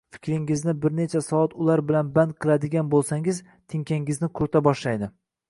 Fikringizni bir necha soat ular bilan band qiladigan boʻlsangiz, tinkangizni qurita boshlaydi